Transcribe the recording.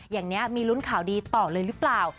อย่างนี้มีลุ้นข่าวดีต่อเลยหรือเปล่า